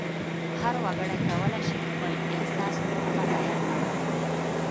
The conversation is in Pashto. هر وګړی کولای شي خپل احساس نورو ته بیان کړي.